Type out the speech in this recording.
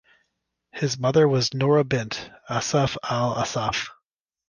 His mother was Noura bint Assaf Al Assaf.